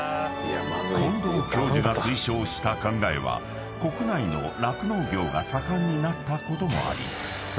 ［近藤教授が推奨した考えは国内の酪農業が盛んになったこともあり］